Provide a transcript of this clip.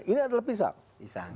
ini adalah pisang